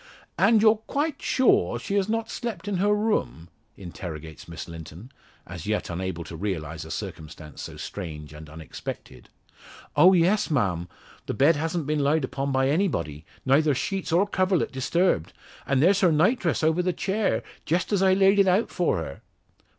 "And you're quite sure she has not slept in her room?" interrogates Miss Linton, as yet unable to realise a circumstance so strange and unexpected. "Oh, yes, ma'am. The bed hasn't been lied upon by anybody neither sheets or coverlet disturbed. And there's her nightdress over the chair, just as I laid it out for her."